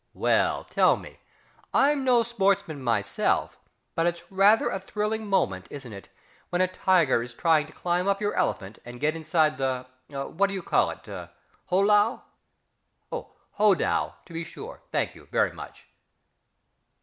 Well, tell me, I'm no sportsman myself but it's rather a thrilling moment, isn't it, when a tiger is trying to climb up your elephant, and get inside the what do you call it howlah? oh, howdah, to be sure; thank you, very much....